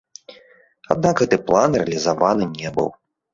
Аднак гэты план рэалізаваны не быў.